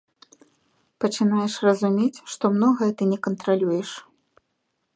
Пачынаеш разумець, што многае ты не кантралюеш.